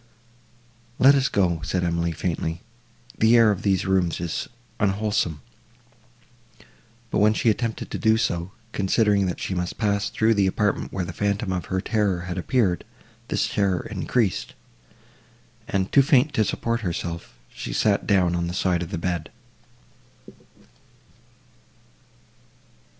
"Let us go," said Emily, faintly, "the air of these rooms is unwholesome;" but, when she attempted to do so, considering that she must pass through the apartment where the phantom of her terror had appeared, this terror increased, and, too faint to support herself, she sat down on the side of the bed.